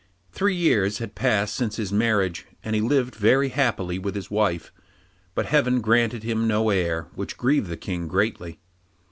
Three years had passed since his marriage, and he lived very happily with his wife, but Heaven granted him no heir, which grieved the King greatly.